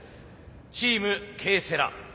チームＫセラ。